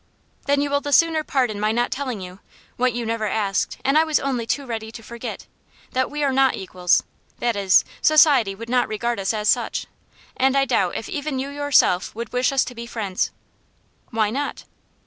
"Then you will the sooner pardon my not telling you what you never asked, and I was only too ready to forget that we are not equals that is, society would not regard us as such and I doubt if even you yourself would wish us to be friends." "Why not?"